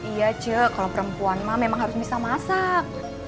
iya cik kalau perempuan mah memang harus bisa masak